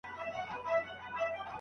که ته په املا کي له پنسل څخه ګټه واخلې.